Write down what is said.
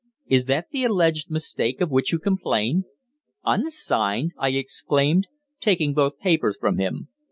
Is that the alleged mistake of which you complain?" "Unsigned!" I exclaimed, taking both papers from him.